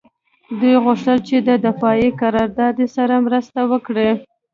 دوی غوښتل چې د دفاعي قراردادي سره مرسته وکړي